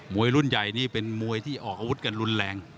วยรุ่นใหญ่นี่เป็นมวยที่ออกอาวุธกันรุนแรง